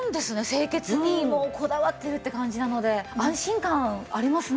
清潔にこだわってるって感じなので安心感ありますね。